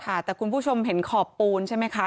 ค่ะแต่คุณผู้ชมเห็นขอบปูนใช่ไหมคะ